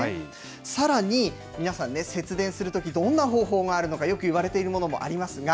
さらに、皆さんね、節電するとき、どんな方法があるのか、よくいわれているものもありますが。